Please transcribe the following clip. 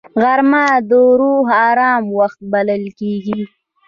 غرمه د روح آرام وخت بلل کېږي